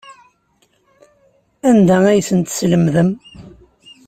Anda ay asen-teslemdem?